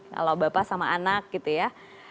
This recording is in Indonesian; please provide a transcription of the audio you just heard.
kalau bapak sama anak gitu ya